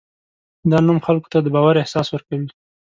دا نوم خلکو ته د باور احساس ورکوي.